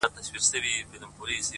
اوس هيڅ خبري مه كوی يارانو ليـونيانـو ـ